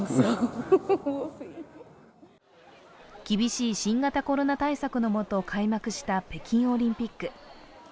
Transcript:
厳しい新型コロナ対策の下、開幕した北京オリンピック。